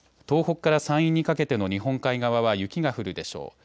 東北から山陰にかけての日本海側は雪が降るでしょう。